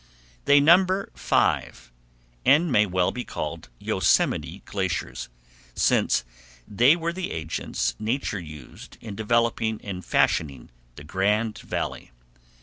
They number five, and may well be called Yosemite glaciers, since they were the agents Nature used in developing and fashioning the grand Valley.